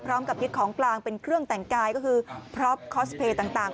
พร้อมกับยึดของกลางเป็นเครื่องแต่งกายก็คือพรอปคอสเพย์ต่าง